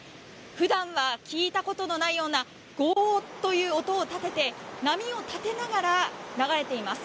普段は聞いたことのないようなゴーッという音を立てて波を立てながら流れています。